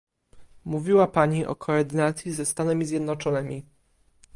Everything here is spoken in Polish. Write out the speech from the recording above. Mówiła pani o koordynacji ze Stanami Zjednoczonymi